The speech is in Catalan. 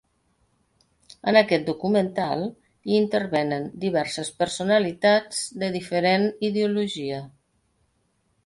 En aquest documental hi intervenen diverses personalitats de diferent ideologia.